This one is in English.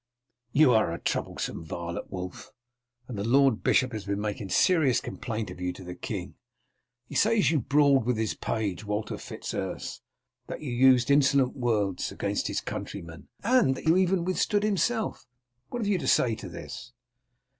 "You are a troublesome varlet, Wulf, and the Lord Bishop has been making serious complaint of you to the king. He says that you brawled with his page, Walter Fitz Urse; that you used insolent words against his countrymen; and that you even withstood himself. What have you to say to this?"